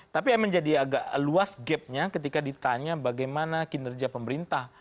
tapi yang menjadi agak luas gapnya ketika ditanya bagaimana kinerja pemerintah